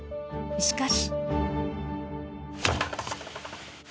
しかし。